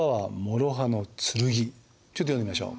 ちょっと読んでみましょう。